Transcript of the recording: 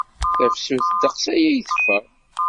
Tafsut ddeqs aya i teffeɣ.